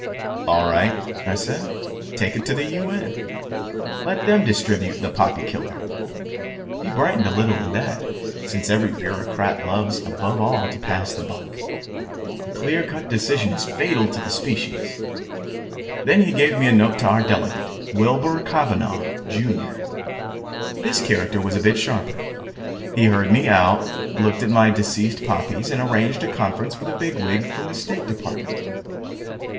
All right, I said. Take it to the U.N. Let them distribute the poppy killer. He brightened a little at that, since every bureaucrat loves above all to pass the buck. A clear cut decision is fatal to the species. Then he gave me a note to our delegate, Wilbur Cavanaugh, Jr. This character was a bit sharper. He heard me out, looked at my deceased poppies, and arranged a conference with a bigwig from the State Department.